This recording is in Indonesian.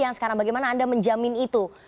yang sekarang bagaimana anda menjamin itu